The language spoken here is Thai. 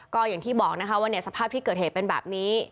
ก็อย่างที่บอกนะคะว่าสภาพที่เกิดเหตุเป็นแบบนี้